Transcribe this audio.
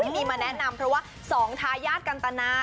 ที่มีมาแนะนำเพราะว่า๒ทายาทกันตนา